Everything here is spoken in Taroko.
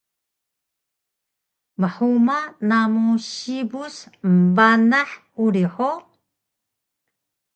Mhuma namu sibus embanah uri hug?